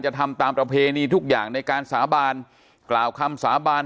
ทำตามประเพณีทุกอย่างในการสาบานกล่าวคำสาบาน